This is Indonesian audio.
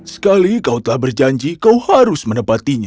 sekali kau telah berjanji kau harus menepatinya